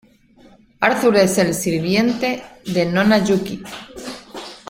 Arthur es el sirviente de Nona Yuki.